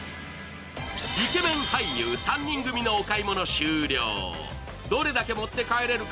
イケメン俳優３人組のお買い物は終了。